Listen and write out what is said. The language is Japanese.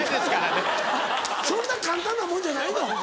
あっそんな簡単なもんじゃないの？